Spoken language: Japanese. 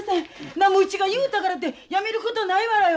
なんもうちが言うたからてやめることないわらよ。